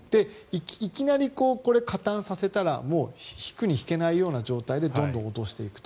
いきなり加担させたらもう引くに引けないような状態でどんどん脅していくと。